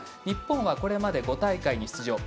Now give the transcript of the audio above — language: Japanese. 日本はこれまで５大会に出場。